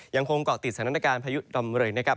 ยังคงเกาะติดสถานการณ์พายุดำเรยนะครับ